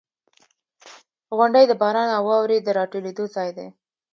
• غونډۍ د باران او واورې د راټولېدو ځای دی.